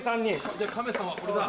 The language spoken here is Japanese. じゃあカメさんはこれだ。